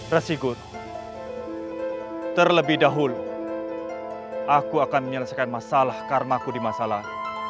resi guru terlebih dahulu aku akan menyelesaikan masalah karmaku di masalah